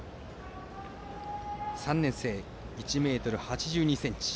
３年生、１ｍ８２ｃｍ。